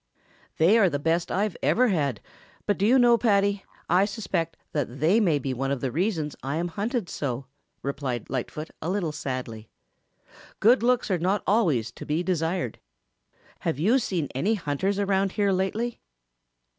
"] "They are the best I've ever had; but do you know, Paddy, I suspect that they may be one of the reasons I am hunted so," replied Lightfoot a little sadly. "Good looks are not always to be desired. Have you seen any hunters around here lately?"